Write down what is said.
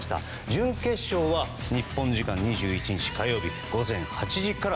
準決勝は日本時間２１日火曜日の午前８時から。